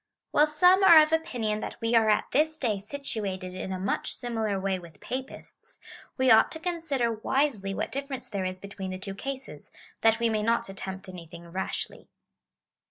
While some are of oj)inion that we are at this day situated in a much similar way with Papists,^ we ought to consider wisely what difference there is between the two cases, that we may not attempt anything rashly.